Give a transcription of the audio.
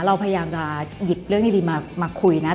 เราพยายามจะหยิบเรื่องดีมาคุยนะ